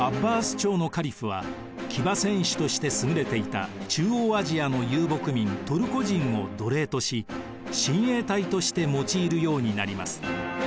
朝のカリフは騎馬戦士として優れていた中央アジアの遊牧民トルコ人を奴隷とし親衛隊として用いるようになります。